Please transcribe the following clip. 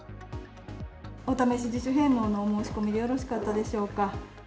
お試し自主返納のお申し込みでよろしかったでしょうか。